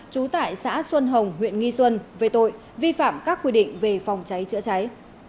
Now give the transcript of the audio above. trú tại xã xuân hồng huyện nghi xuân về tội vi phạm các quy định về phòng cháy chữa cháy